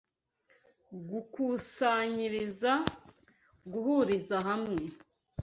Gukusanyiriza: guhuriza hamwe